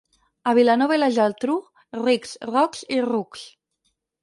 A Vilanova i la Geltrú, rics, rocs i rucs.